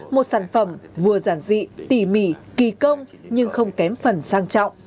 một sản phẩm vừa giản dị tỉ mỉ kỳ công nhưng không kém phần sang trọng